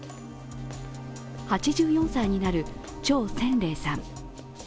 ８４歳になる張先玲さん。